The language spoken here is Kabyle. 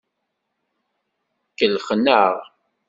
Kellxen-aɣ.